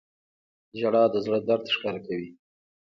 • ژړا د زړه درد ښکاره کوي.